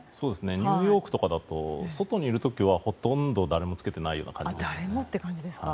ニューヨークとかだと外にいる時は、ほとんど誰も着けてないような感じです。